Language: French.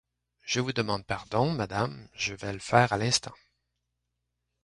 Je vous demande pardon, madame, je vais le faire à l'instant.